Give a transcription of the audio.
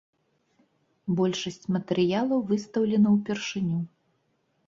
Большасць матэрыялаў выстаўлена ўпершыню.